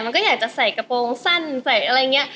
มันก็อยากจะใส่กระโปรงสั้นใส่อะไรอย่างนี้